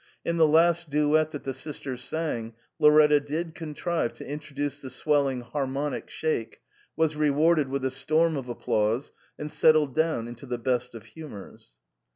In the last duet that the sisters sang, Lauretta did contrive to introduce the swelling * harmonic shake,* was rewarded with a storm of ap plause, and settled down into the best of humours.